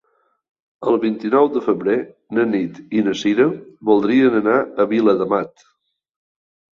El vint-i-nou de febrer na Nit i na Sira voldrien anar a Viladamat.